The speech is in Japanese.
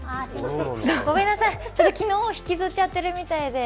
ごめんなさい、昨日を引きずってるみたいで。